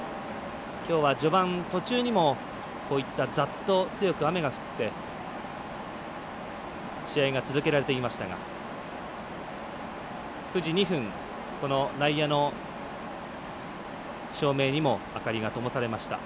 きょうは序盤途中にもこういったざっと強く雨が降って試合が続けられていましたが９時２分、この内野の照明にも明かりがともされました。